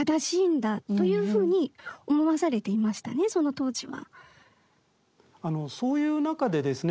その当時は。